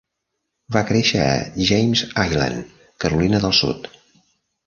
Va créixer a James Island, Carolina del Sud.